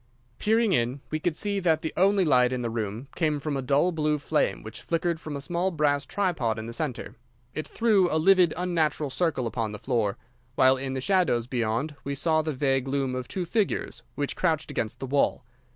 Peering in, we could see that the only light in the room came from a dull blue flame which flickered from a small brass tripod in the centre. It threw a livid, unnatural circle upon the floor, while in the shadows beyond we saw the vague loom of two figures which crouched against the wall.